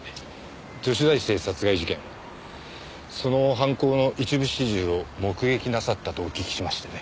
女子大生殺害事件その犯行の一部始終を目撃なさったとお聞きしましてね。